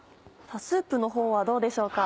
スープのほうはどうでしょうか？